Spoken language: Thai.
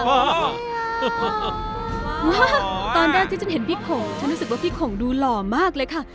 ตอนแรกที่ฉันเห็นพี่ผงฉันรู้สึกว่าพี่โขงดูหล่อมากเลยค่ะ